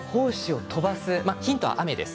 ヒントは雨です。